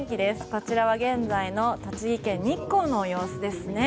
こちらは現在の栃木県日光の様子ですね。